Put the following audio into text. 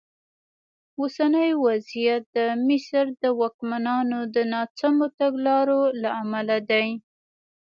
اوسنی وضعیت د مصر د واکمنانو د ناسمو تګلارو له امله دی.